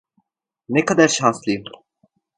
Ne kadar şanslıyım.